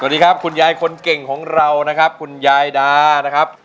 สวัสดีครับคุณยายคนเก่งของเรานะครับคุณยายดานะครับ